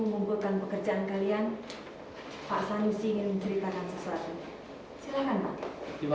setelah pak marta keluar dari sekolah kita ini